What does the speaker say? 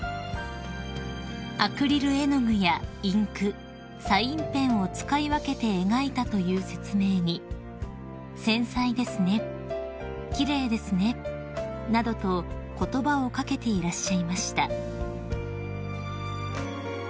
［アクリル絵の具やインクサインペンを使い分けて描いたという説明に「繊細ですね」「奇麗ですね」などと言葉を掛けていらっしゃいました］